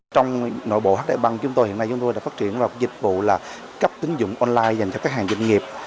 trong nội bộ hđb chúng tôi hiện nay đã phát triển vào dịch vụ cấp tính dụng online dành cho các hàng dịch nghiệp